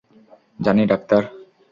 জানি, ডাক্তার।